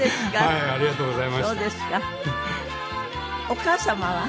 お母様は？